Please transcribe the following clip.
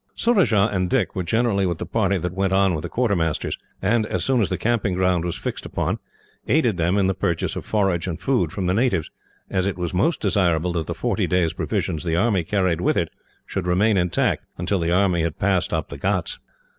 Surajah and Dick were generally with the party that went on with the quartermasters, and, as soon as the camping ground was fixed upon, aided them in the purchase of forage and food from the natives, as it was most desirable that the forty days' provisions the army carried with it should remain intact, until the army had passed up the ghauts.